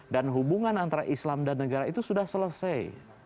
dan hubungan antara islam dan negara itu sudah selesai